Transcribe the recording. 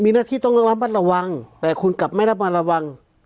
มีหน้าที่ต้องระมัดระวังแต่คุณกลับไม่ระมัดระวัง